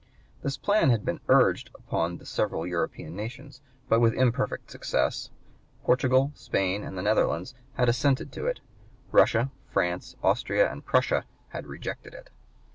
This plan had been urged upon the several European nations, but with imperfect success. Portugal, Spain, and the Netherlands had assented to it; Russia, France, Austria, and Prussia had rejected it.